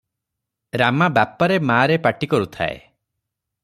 ରାମା 'ବାପରେ ମାରେ' ପାଟି କରୁଥାଏ ।